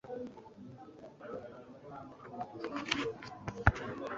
ngo :« nimusenya uni nisengero, nanjye nzarwubaka mu minsi itatu.`»